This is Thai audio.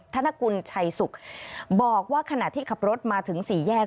ธนกุลชัยสุขบอกว่าขณะที่ขับรถมาถึงสี่แยก